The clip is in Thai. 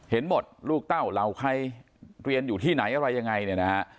เห็นหมดลูกเต้าเราใครเรียนอยู่ที่ไหนอะไรยังไงนะ